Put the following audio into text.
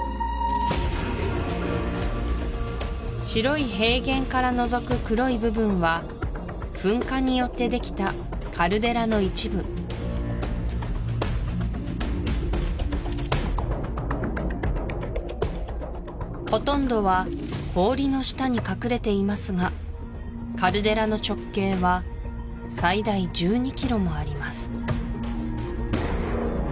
白い平原からのぞく黒い部分は噴火によってできたカルデラの一部ほとんどは氷の下に隠れていますがカルデラの直径は最大１２キロもあります